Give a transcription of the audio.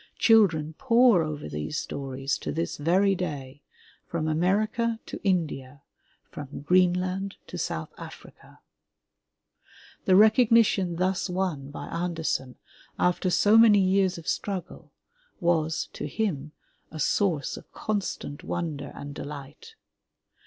Children pore over these stories to this very day, from America to India, from Greenland to South Africa. The recognition thus won by Andersen after so many years of struggle was, to him, a source of constant wonder and delight.